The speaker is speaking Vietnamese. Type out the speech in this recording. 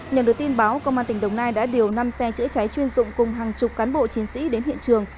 nhận được tin báo công an tỉnh đồng nai đã điều năm xe chữa cháy chuyên dụng cùng hàng chục cán bộ chiến sĩ đến hiện trường